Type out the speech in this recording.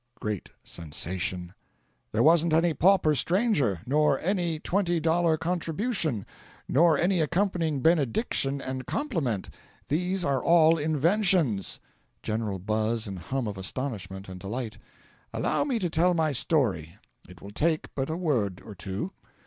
(Great sensation.) There wasn't any pauper stranger, nor any twenty dollar contribution, nor any accompanying benediction and compliment these are all inventions. (General buzz and hum of astonishment and delight.) Allow me to tell my story it will take but a word or two.